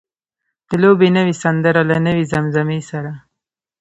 د لوبې نوې سندره له نوې زمزمې سره.